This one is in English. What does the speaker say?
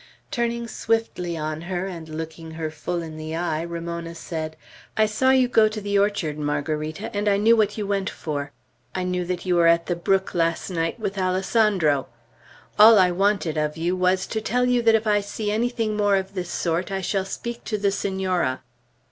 Turning swiftly on her, and looking her full in the eye, Ramona said: "I saw you go to the orchard, Margarita, and I knew what you went for. I knew that you were at the brook last night with Alessandro. All I wanted of you was, to tell you that if I see anything more of this sort, I shall speak to the Senora."